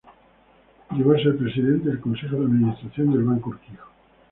Llegó a ser presidente del consejo de administración del Banco Urquijo.